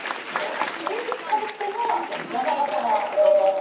唯一かぶってるのが山田様。だけ？